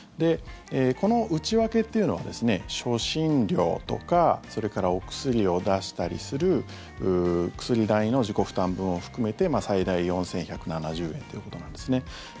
この内訳っていうのは初診料とかそれからお薬を出したりする薬代の自己負担分を含めて最大４１７０円ということなんですね。